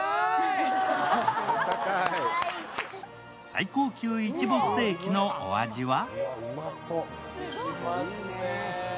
最高級イチボステーキのお味は？